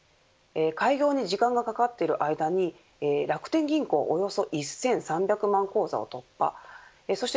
開業に時間がかかっている間に楽天銀行はおよそ１３００万口座を突破。